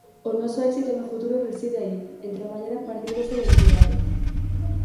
O noso éxito no futuro reside aí, en traballar a partir desa identidade.